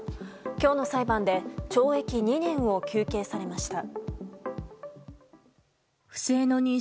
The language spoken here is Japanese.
今日の裁判で懲役２年を求刑されました。